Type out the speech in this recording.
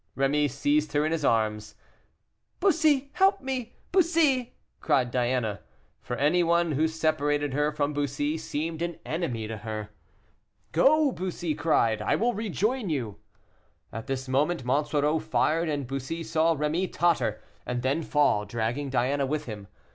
Rémy seized her in his arms. "Bussy, help me! Bussy!" cried Diana. For any one who separated her from Bussy, seemed an enemy to her. "Go," cried Bussy, "I will rejoin you." At this moment Monsoreau fired, and Bussy saw Rémy totter, and then fall, dragging Diana with him.